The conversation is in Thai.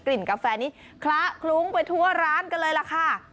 กาแฟนี้คละคลุ้งไปทั่วร้านกันเลยล่ะค่ะ